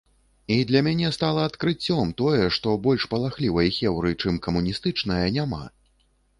І для мяне стала адкрыццём тое, што больш палахлівай хеўры, чым камуністычная, няма.